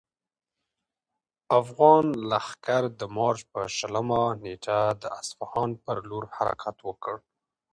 افغان لښکر د مارچ په شلمه نېټه د اصفهان پر لور حرکت وکړ.